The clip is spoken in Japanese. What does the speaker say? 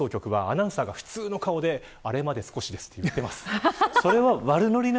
関西の放送局はアナウンサーが普通の顔でアレまで少しですと言っています。